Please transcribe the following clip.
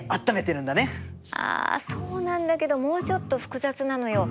あそうなんだけどもうちょっと複雑なのよ。